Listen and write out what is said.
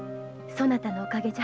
そなたのおかげじゃ。